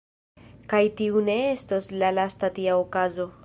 Kaj tiu ne estos la lasta tia okazo.